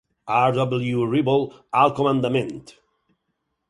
R. W. Ruble al commandament.